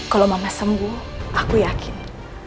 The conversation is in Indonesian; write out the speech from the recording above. kalau mama sembuh aku yakin